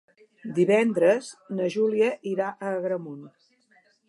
Divendres na Júlia irà a Agramunt.